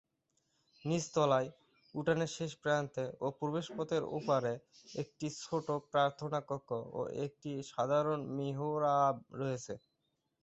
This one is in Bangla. নিচতলায়, উঠোনের শেষ প্রান্তে ও প্রবেশপথের ওপারে, একটি ছোট প্রার্থনা কক্ষ ও একটি সাধারণ মিহরাব রয়েছে।